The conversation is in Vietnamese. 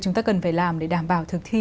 chúng ta cần phải làm để đảm bảo thực thi